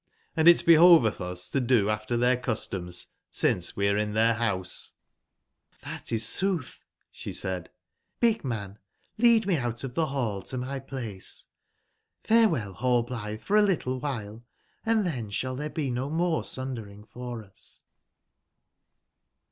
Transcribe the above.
Hnd it bebovetb us to do alPter tbeir customs since we are in tbeir bouse "jj7 'Xbat is sootb/'sbe said ;'* big man, lead me out of tbe ball to my place, f are well,^)allblitbe, for a littlewbile, andtben sball tbere be no m ore sundering for us."